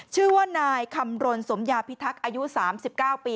ชื่อว่านายคำรณสมยาพิทักษ์อายุ๓๙ปี